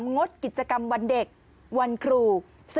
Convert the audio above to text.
งดกิจกรรมวันเด็กวันครู